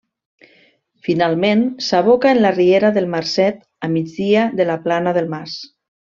Finalment, s'aboca en la riera del Marcet a migdia de la Plana del Mas.